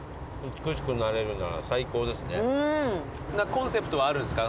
コンセプトはあるんですか？